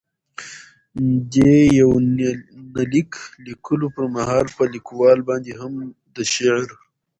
دې يونليک ليکلو په مهال، په ليکوال باندې هم د شعر.